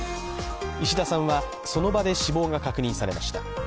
石田さんはその場で死亡が確認されました。